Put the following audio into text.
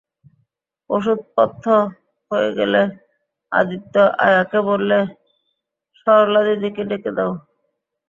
ওষুধপথ্য হয়ে গেলে আদিত্য আয়াকে বললে, সরলাদিদিকে ডেকে দাও।